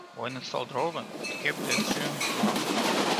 When it sold Rover, it kept the Triumph marque.